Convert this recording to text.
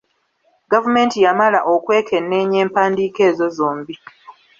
Gavumenti yamala okwekenneenya empandiika ezo zombi.